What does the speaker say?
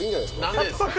何でですか。